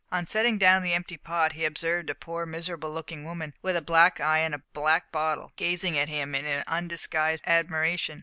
On setting down the empty pot he observed a poor miserable looking woman, with a black eye and a black bottle, gazing at him in undisguised admiration.